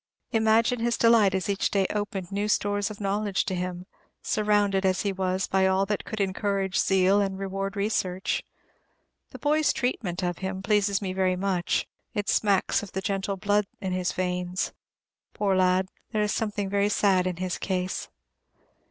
Imagine his delight as each day opened new stores of knowledge to him, surrounded as he was by all that could encourage zeal and reward research. The boy's treatment of him pleases me much; it smacks of the gentle blood in his veins. Poor lad, there is something very sad in his case.